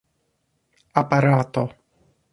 aparato